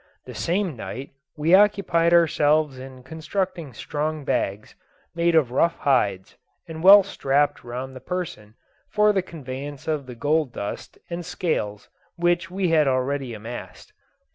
The same night we occupied ourselves in constructing strong bags, made of rough hides, and well strapped round the person for the conveyance of the gold dust and scales which we had already amassed.